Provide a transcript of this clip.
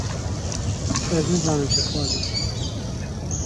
Ez nizanim çi dixwazim.